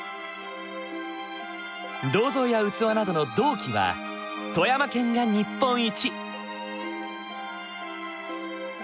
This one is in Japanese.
銅像や器などの銅器は富山県が日本一。